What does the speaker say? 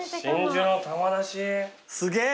すげえ！